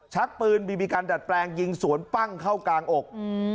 ชักปืนบีบีกันดัดแปลงยิงสวนปั้งเข้ากลางอก